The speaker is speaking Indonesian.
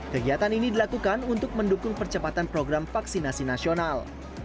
kegiatan ini dilakukan untuk mendukung percepatan program vaksinasi nasional